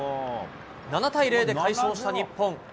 ７対０で快勝した日本。